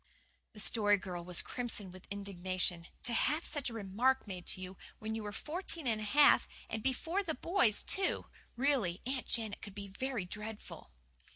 The Story Girl was crimson with indignation. To have such a remark made to you when you were fourteen and a half and before the boys, too! Really, Aunt Janet could be very dreadful.